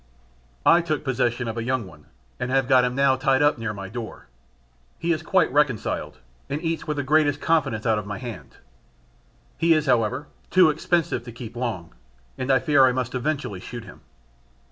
I took possession of a young one, and have got him now tied up near my door; he is quite reconciled, and eats with the greatest confidence out of my hand; he is, however, too expensive to keep long, and I fear I must eventually shoot him.